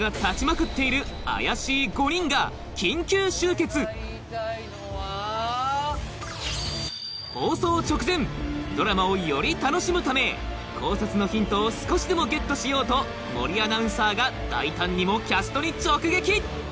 特に放送直前ドラマをより楽しむため考察のヒントを少しでもゲットしようと森アナウンサーが大胆にもキャストに直撃！